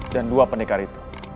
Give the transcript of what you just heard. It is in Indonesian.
dan dua penikar itu